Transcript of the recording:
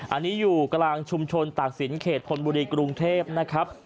อันนี้อยู่กลางชุมชนตากศิลปเขตธนบุรีกรุงเทพนะครับ